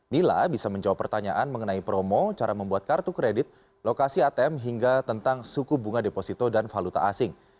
mila bisa menjawab pertanyaan mengenai promo cara membuat kartu kredit lokasi atm hingga tentang suku bunga deposito dan valuta asing